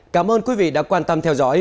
cảm ơn quý vị đã quan tâm theo dõi